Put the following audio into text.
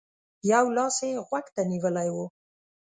يو لاس يې غوږ ته نيولی و.